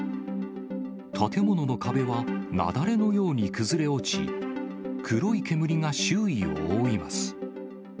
建物の壁は雪崩のように崩れ落ち、黒い煙が周囲を覆います。